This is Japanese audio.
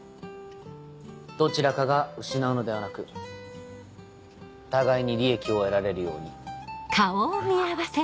どちらかが失うのではなく互いに利益を得られるように。